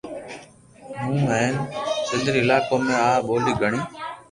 ھون ھين سند ري علاقون ۾ آ ٻولي گھڻي